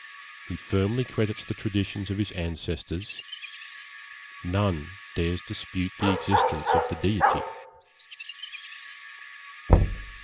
He firmly credits the traditions of his ancestors. None dares dispute the existence of the Deity.'